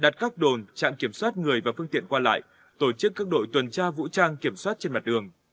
trạm kiểm soát người và phương tiện qua lại tổ chức các đội tuần tra vũ trang kiểm soát trên mặt đường